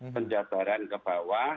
penjabaran ke bawah